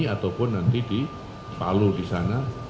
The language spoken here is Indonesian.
ataupun nanti di palu di sana